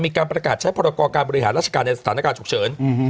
มีการประกาศใช้พรกรการบริหารราชการในสถานการณ์ฉุกเฉิน